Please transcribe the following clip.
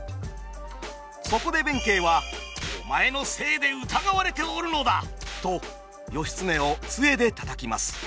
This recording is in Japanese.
そこで弁慶は「お前のせいで疑われておるのだ！」と義経を杖で叩きます。